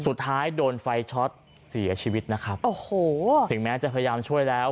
สุดท้ายโดนไฟช็อตเสียชีวิตนะครับโอ้โหถึงแม้จะพยายามช่วยแล้ว